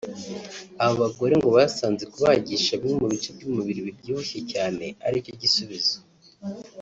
Abo bagore ngo basanze kubagisha bimwe mu bice by’umubiri bibyibushye cyane aricyo gisubizo